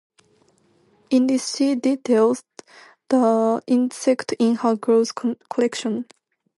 In this she detailed the insects in her growing collection.